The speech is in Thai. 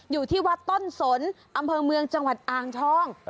อยู่ที่วัดต้นสนอำเภอเมืองจังหวัดอ่างทอง